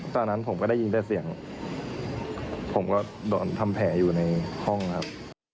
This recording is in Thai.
ตอนนั้นผมก็ได้ยินแต่เสียงผมก็โดนทำแผลอยู่ในห้องครับ